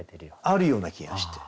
あるような気がして。